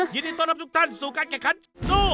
ยินดีต้อนรับทุกท่านสู่การแข่งขันสู้